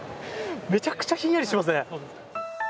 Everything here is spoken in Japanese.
めちゃくちゃひんやりしますね。